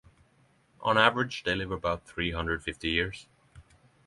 On average, they live about three hundred fifty years.